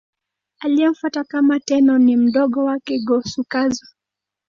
Aliyemfuata kama Tenno ni mdogo wake, Go-Suzaku.